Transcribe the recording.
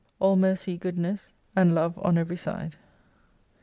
All mercy goodness an love on every side.